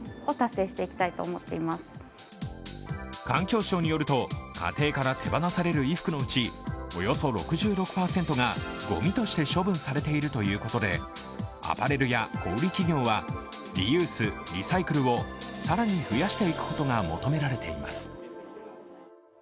環境省によると、家庭から手放される衣服のうちおよそ６６％がごみとして処分されているということで、アパレルや小売り企業はリユース・リサイクルを更に増やしていくことが求められています。